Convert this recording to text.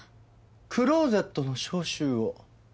クローゼットの消臭を。